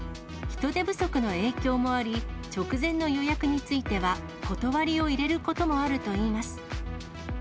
人手不足の影響もあり、直前の予約については、断りを入れることもあるといいます。